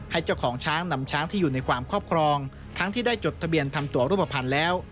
เจ้าของช้างนำช้างที่อยู่ในความครอบครองทั้งที่ได้จดทะเบียนทำตัวรูปภัณฑ์แล้ว